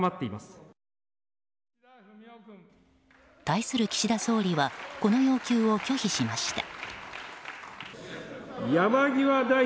対する岸田総理はこの要求を拒否しました。